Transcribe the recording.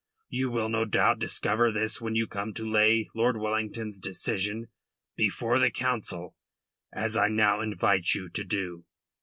You will no doubt discover this when you come to lay Lord Wellington's decision before the Council, as I now invite you to do."